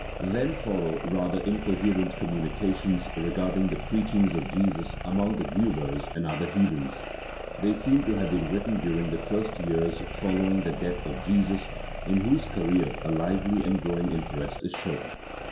Then follow rather incoherent communications regarding the preachings of Jesus among the Guebers and other heathens. They seem to have been written during the first years following the death of Jesus, in whose career a lively and growing interest is shown.